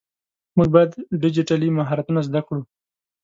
مونږ باید ډيجيټلي مهارتونه زده کړو.